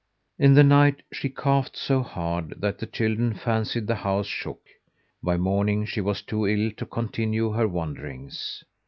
In the night she coughed so hard that the children fancied the house shook. By morning she was too ill to continue her wanderings.